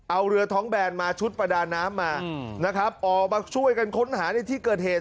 เอาเรือท้องแบนมาชุดประดาน้ำมาอ๋อมาช่วยกันค้นหานิษฐีเกิดเหตุ